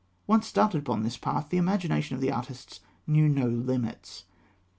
Once started upon this path, the imagination of the artists knew no limits.